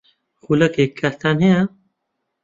خولەکێک کاتتان ھەیە؟